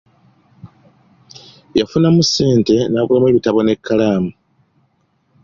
Yafunamu sente n'agulamu ebitabo n'ekkalaamu.